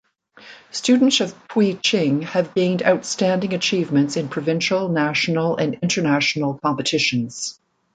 Students of Pui Ching have gained outstanding achievements in provincial, national and international competitions.